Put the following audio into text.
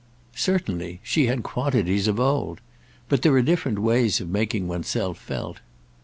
"Certainly—she had quantities of old. But there are different ways of making one's self felt."